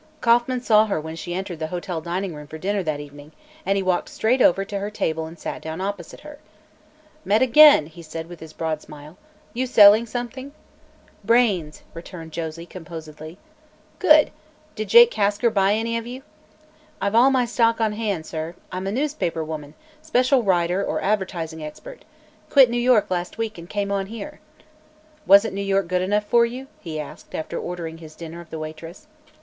Kauffman saw her when she entered the hotel dining room for dinner that evening, and he walked straight over to her table and sat down opposite her. "Met again!" he said with his broad smile. "You selling something?" "Brains," returned Josie composedly. "Good! Did Jake Kasker buy any of you?" "I've all my stock on hand, sir. I'm a newspaper woman special writer or advertising expert. Quit New York last week and came on here." "Wasn't New York good enough for you?" he asked, after ordering his dinner of the waitress.